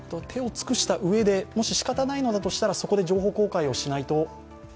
手を尽くしたうえで、もししかたないのであればそこで情報公開をしないと。